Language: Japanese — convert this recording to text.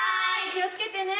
気をつけてね。